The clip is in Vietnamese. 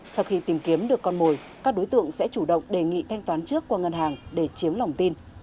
sau khi tìm kiếm được con mồi các đối tượng sẽ chủ động đề nghị thanh toán trước qua ngân hàng để chiếm lòng tin